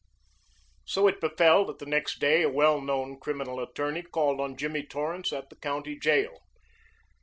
So it befell that the next day a well known criminal attorney called on Jimmy Torrance at the county jail.